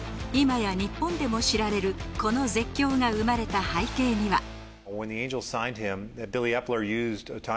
今や日本でも知られるこの絶叫が生まれた背景には。